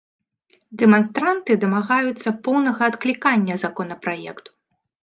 Дэманстранты дамагаюцца поўнага адклікання законапраекту.